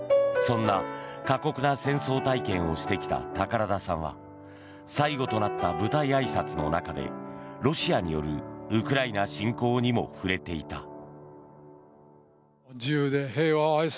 そんな過酷な戦争体験をしてきた宝田さんは最後となった舞台あいさつの中でロシアによるウクライナ侵攻にも触れていた。